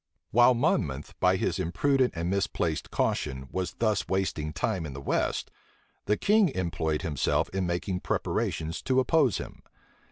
While Monmouth, by his imprudent and misplaced caution, was thus wasting time in the west, the king employed himself in making preparations to oppose him.